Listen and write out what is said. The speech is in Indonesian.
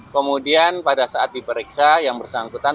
kemudian pada saat diperiksa yang bersangkutan